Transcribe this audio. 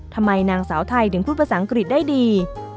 นางสาวไทยถึงพูดภาษาอังกฤษได้ดี